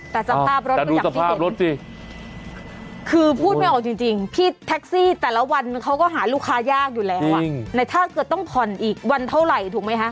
แต่สภาพรถก็อยากกินกับรถสิคือพูดไม่ออกจริงพี่แท็กซี่แต่ละวันเขาก็หาลูกค้ายากอยู่แล้วแต่ถ้าเกิดต้องผ่อนอีกวันเท่าไหร่ถูกไหมคะ